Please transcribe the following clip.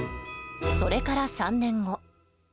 それから３年後。